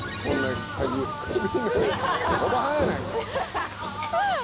おばはんやないか。